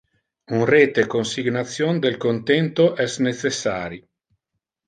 Un rete consignation del contento es necessari.